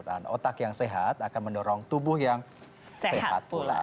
dan otak yang sehat akan mendorong tubuh yang sehat pula